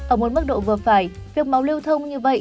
ở một mức độ vừa phải việc máu lưu thông như vậy